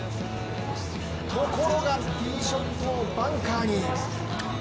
ところがティーショットをバンカーに。